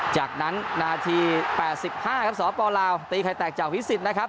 จากนั้นนาที๘๕ครับสปลาวตีไข่แตกจากวิสิตนะครับ